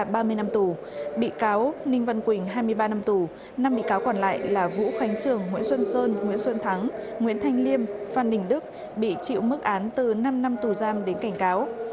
bản án là ba mươi năm tù bị cáo ninh văn quỳnh hai mươi ba năm tù năm bị cáo còn lại là vũ khánh trường nguyễn xuân sơn nguyễn xuân thắng nguyễn thanh liêm phan đình đức bị chịu mức án từ năm năm tù giam đến cảnh cáo